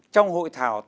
trong hội thảo tạm biệt